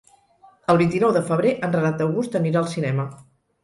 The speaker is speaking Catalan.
El vint-i-nou de febrer en Renat August anirà al cinema.